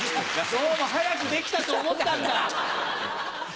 どうも早くできたと思ったんだ。